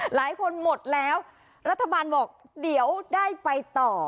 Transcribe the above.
หลายคนหมดแล้วรัฐบาลบอกเดี๋ยวได้ไปต่อ